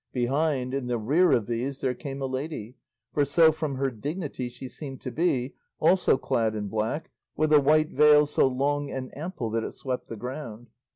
Behind, in the rear of these, there came a lady, for so from her dignity she seemed to be, also clad in black, with a white veil so long and ample that it swept the ground.